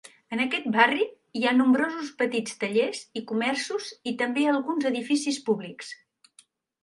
En aquest barri hi ha nombrosos petits tallers i comerços i també alguns edificis públics.